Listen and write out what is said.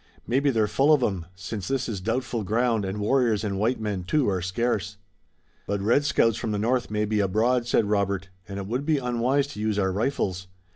Maybe they're full of 'em, since this is doubtful ground and warriors and white men too are scarce." "But red scouts from the north may be abroad," said Robert, "and it would be unwise to use our rifles.